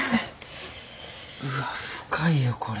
うわ深いよこれ。